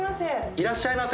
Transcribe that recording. いらっしゃいませ。